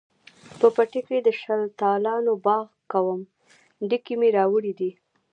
په پټي کښې د شلتالانو باغ کوم، ډکي مې راوړي دي